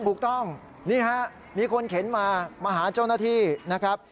ถูกต้องนี่ฮะมีคนเข็นมามาหาเจ้าหน้าที่นะครับ